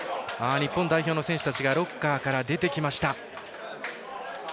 日本代表の選手たちがロッカーから出てきました。